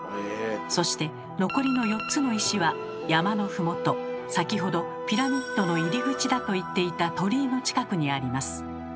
そして残りの４つの石は山の麓先ほどピラミッドの入り口だと言っていた鳥居の近くにあります。